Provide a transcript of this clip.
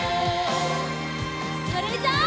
それじゃあ。